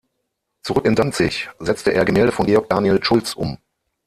Zurück in Danzig setzte er Gemälde von Georg Daniel Schultz um.